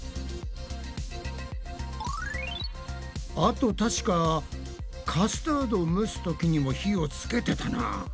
あと確かカスタードを蒸すときにも火をつけてたな。